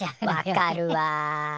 わかるわ。